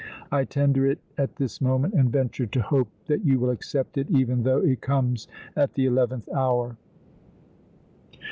I tender it at this moment and venture to hope that you will accept it even though it comes at the eleventh hour!"